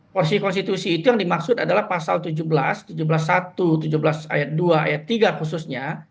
konstitusi konstitusi itu yang dimaksud adalah pasal tujuh belas tujuh belas satu tujuh belas ayat dua ayat tiga khususnya